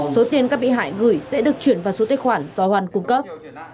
số tiền các bị hại gửi sẽ được chuyển vào số tài khoản do hoàn cung cấp